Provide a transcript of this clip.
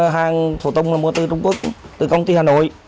hàng phụ tùng là mua từ trung quốc từ công ty hà nội